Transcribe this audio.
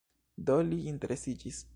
Do, li interesiĝis